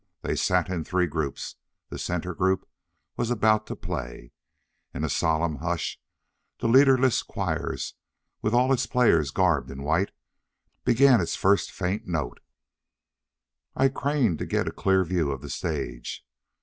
They sat in three groups; the center group was about to play. In a solemn hush the leaderless choirs, with all its players garbed in white, began its first faint note. I craned to get a clear view of the stage.